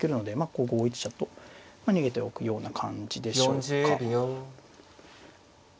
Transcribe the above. こう５一飛車と逃げておくような感じでしょうか。